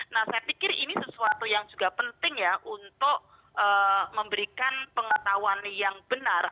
nah saya pikir ini sesuatu yang juga penting ya untuk memberikan pengetahuan yang benar